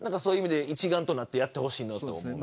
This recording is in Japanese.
一丸となってやってほしいと思います。